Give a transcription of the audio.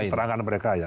dari keterangan mereka ya